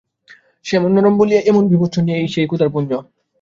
সে এমন নরম বলিয়াই এমন বীভৎস, সেই ক্ষুধার পুঞ্জ!